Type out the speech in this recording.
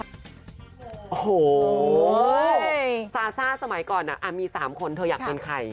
โอ้โหซาซ่าสมัยก่อนมี๓คนเธออยากเป็นใคร